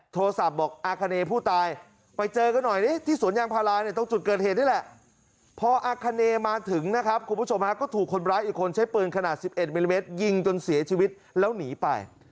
โทรศัพท์บอกอาคาเณ้ผู้ตาย